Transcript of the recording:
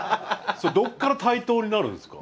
それどっから対等になるんですか？